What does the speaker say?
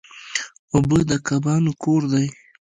اوبه د کبانو کور دی.